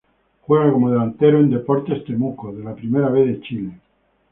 Juega como delantero en Deportes Temuco de la Primera B de Chile.